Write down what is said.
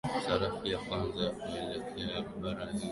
Safari ya kwanza ya kuelekea bara hindi